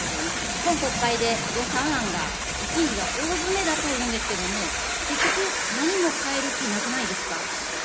今国会で予算案が、審議が大詰めだというんですけれども、結局、何も変える気、なくないですか。